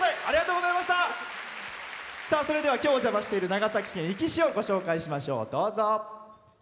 それでは今日お邪魔している長崎県壱岐市をご紹介しましょう。